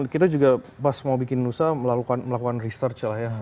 kita juga pas mau bikin nusa melakukan research lah ya